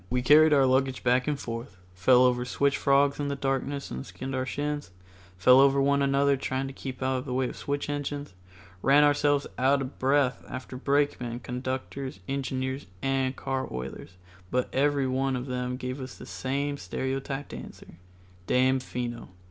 We carried our luggage back and forth, fell over switch frogs in the darkness and skinned our shins, fell over one another trying to keep out the way of switch engines, ran ourselves out of breath after brakemen, conductors, engineers and car oilers, but everyone of them gave us the same stereotyped answer, "Damfino."